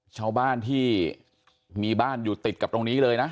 ชาวบ้านที่มีบ้านอยู่ติดกับตรงนี้เลยนะ